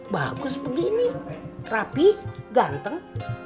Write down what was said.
bagus begini rapi ganteng